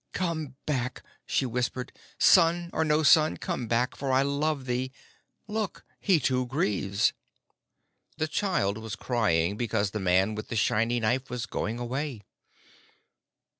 "Come back!" she whispered. "Son or no son, come back, for I love thee Look, he too grieves." The child was crying because the man with the shiny knife was going away.